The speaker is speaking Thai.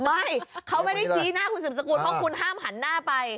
ไม่เขาไม่ได้ชี้หน้าคุณสืบสกุลเพราะคุณห้ามหันหน้าไป